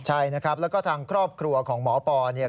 ใช่นะครับแล้วก็ทางครอบครัวของหมอปอเนี่ย